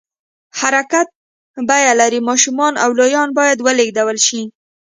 حرکت بیه لري، ماشومان او لویان باید ولېږدول شي.